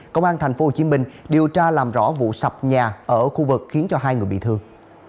công an tp hcm điều tra làm rõ vụ sập nhà ở khu vực khiến cho hai người bị thương